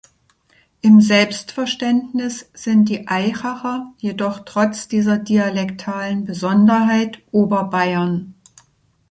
Im Selbstverständnis sind die Aichacher jedoch trotz dieser dialektalen Besonderheit Oberbayern.